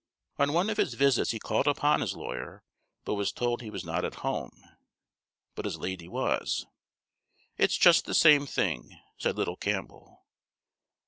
On one of his visits he called upon his lawyer, but was told he was not at home, but his lady was. "It's just the same thing," said little Campbell.